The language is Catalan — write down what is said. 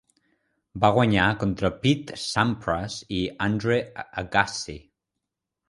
Va guanyar contra Pete Sampras i Andre Agassi.